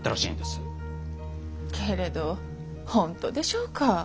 けれどほんとでしょうか？